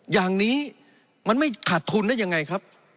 อย่างนี้มันไม่ขาดทุนได้ยังไงครับ